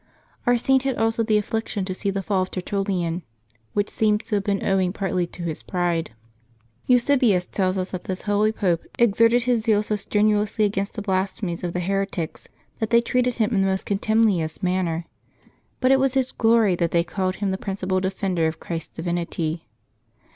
Our Saint had also the affliction to see the fall of Tertullian, which seems to have been owing partly to his pride. Eusebius tells us that this holy Pope exerted his zeal so strenuously against the blasphemies of the heretics that they treated him in the most contumelious manner; but it was his glory that they called him the principal defender of Christ's divinity.